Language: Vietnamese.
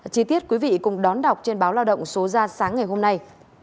chi tiết quý vị cùng đón đọc trên báo lao động số ra sáng ngày hôm nay